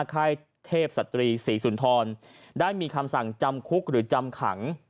ค่ายเทพศตรีศรีสุนทรได้มีคำสั่งจำคุกหรือจำขัง